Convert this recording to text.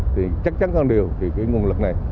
thì chắc chắn hơn điều thì cái nguồn lực này